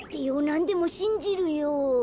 なんでもしんじるよ。